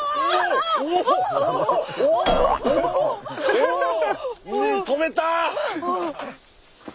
おお止めた。